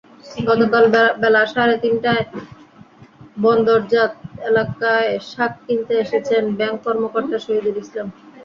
গতকাল বেলা সাড়ে তিনটায় বন্দরবাজার এলাকায় শাক কিনতে এসেছেন ব্যাংক কর্মকর্তা শহীদুল ইসলাম।